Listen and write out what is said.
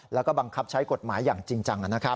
แล้วก็บังคับใช้กฎหมายอย่างจริงจัง